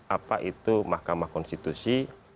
apa itu mahkamah konstitusi